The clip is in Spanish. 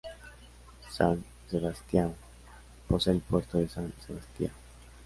San Sebastião posee el Puerto de San Sebastião.